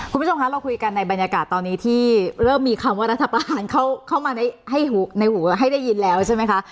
คุณผู้ชมคะเราคุยกันในบรรยากาศตอนนี้ที่เริ่มมีคำว่ารัฐประหารเข้ามาให้ในหัวให้ได้ยินแล้วใช่ไหมคะ